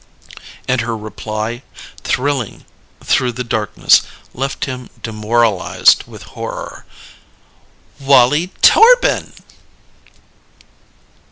And her reply, thrilling through the darkness, left him demoralized with horror. "Wallie Torbin!"